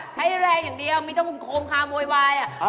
ใช้แรงอย่างเดียวไม่ต้องโคมคาโวยวาย